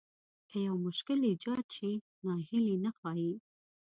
که يو مشکل ايجاد شي ناهيلي نه ښايي.